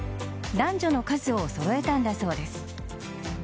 男女の数を揃えたんだそうです。